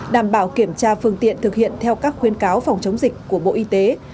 đảm bảo kiểm tra phương tiện thực hiện theo các khuyến cáo phòng chống dịch của bộ y tế